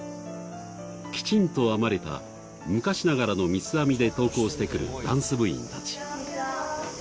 きちんと編まれた昔ながらの三つ編みで登校してくるダンス部員たち。